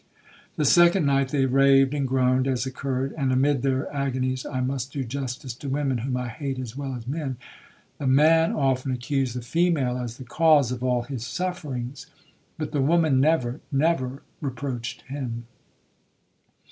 The second night they raved and groaned, (as occurred); and, amid their agonies, (I must do justice to women, whom I hate as well as men), the man often accused the female as the cause of all his sufferings, but the woman never,—never reproached him.